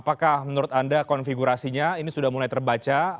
apakah menurut anda konfigurasinya ini sudah mulai terbaca